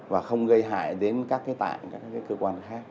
và không gây hại đến các cái tạng các cơ quan khác